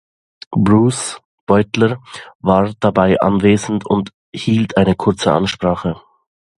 Bruce Beutler war dabei anwesend und hielt eine kurze Ansprache.